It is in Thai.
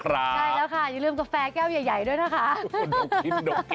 ใช่แล้วค่ะอย่าลืมกาแฟแก้วใหญ่ด้วยนะคะ